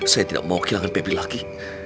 saya tidak mau kehilangan pebi lagi